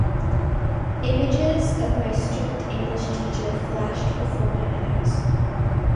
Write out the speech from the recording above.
Images of my strict English teacher flashed before my eyes.